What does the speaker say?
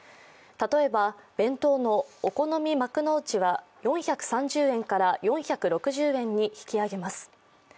例えば、弁当のお好み幕の内は４３０円から４６０円に引き上げます。